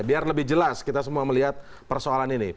biar lebih jelas kita semua melihat persoalan ini